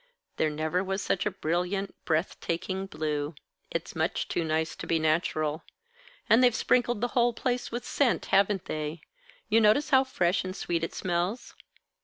There never was such a brilliant, breath taking blue. It's much too nice to be natural. And they've sprinkled the whole place with scent, haven't they? You notice how fresh and sweet it smells.